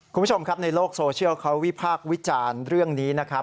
คุณผู้ชมครับในโลกโซเชียลเขาวิพากษ์วิจารณ์เรื่องนี้นะครับ